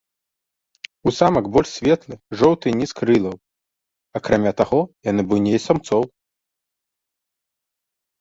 У самак больш светлы, жоўты ніз крылаў, акрамя таго, яны буйней самцоў.